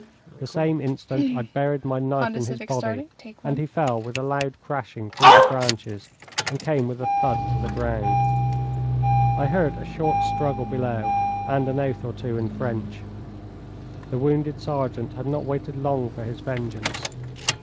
The same instant I buried my knife in his body, and he fell with a loud crashing through the branches and came with a thud to the ground. I heard a short struggle below and an oath or two in French. The wounded sergeant had not waited long for his vengeance.